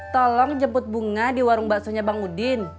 tolong jemput bunga di warung baksonya bang udin